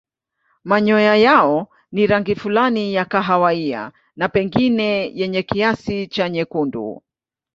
Manyoya yao ni rangi fulani ya kahawia na pengine yenye kiasi cha nyekundu.